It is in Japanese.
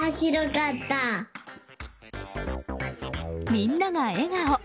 みんなが笑顔。